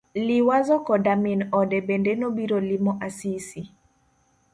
Liwazo koda min ode bende nobiro limo Asisi.